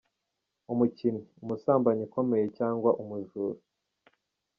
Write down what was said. Umukinnyi : umusambanyi ukomeye cyangwa umujura.